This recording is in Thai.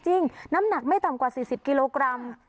น้ำหนักไม่ต่ำกว่า๔๐กิโลกรัม